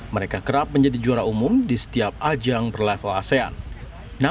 mereka kerap menjadi juara umum di setiap ajang berlevel asean